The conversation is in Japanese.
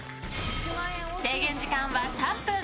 制限時間は３分！